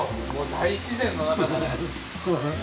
大自然の中だね。